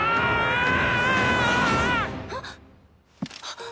あっ。